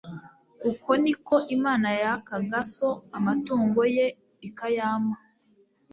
Uko ni ko Imana yakaga so amatungo ye ikayampa